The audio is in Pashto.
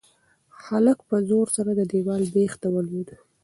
هلک په زور سره د دېوال بېخ ته ولوېد.